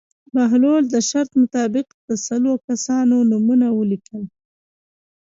بهلول د شرط مطابق د سلو کسانو نومونه ولیکل.